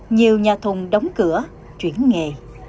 nhiều nhà thùng đóng cửa chuyển nghề